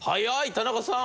田中さん。